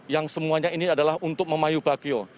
yang semuanya ini adalah untuk memayu bakyo